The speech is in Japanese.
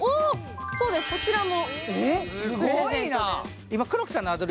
そうです、こちらも。